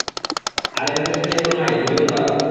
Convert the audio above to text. আরে, মুকেশ ভাইয়া তো নাই, ভলিউম বাড়াও।